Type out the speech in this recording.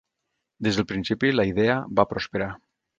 Des del principi, la idea va prosperar.